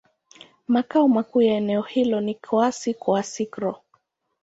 Makao makuu ya eneo hilo ni Kouassi-Kouassikro.